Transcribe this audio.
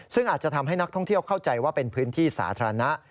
ซึ่งอาจจะทำให้นักท่องเที่ยวเข้าใจว่าเป็นพื้นที่สาธารณะ